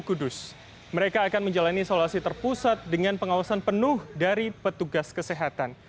kudus mereka akan menjalani isolasi terpusat dengan pengawasan penuh dari petugas kesehatan